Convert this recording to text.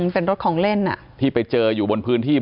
เป็นรถของเล่นที่ไปเจออยู่บนพื้นที่